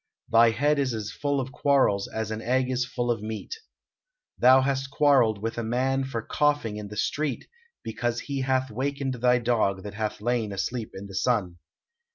Thy head is as full of quarrels as an egg is full of meat. Thou hast quarrelled with a man for coughing in the street, because he hath wakened thy dog that hath lain asleep in the sun.